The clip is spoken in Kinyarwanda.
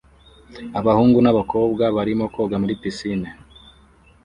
abahungu n'abakobwa barimo koga muri pisine